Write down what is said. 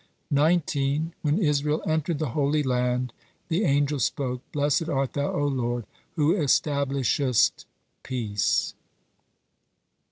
19. When Israel entered the Holy Land, the angels spoke: "Blessed art Thou, O Lord, who establishest peace."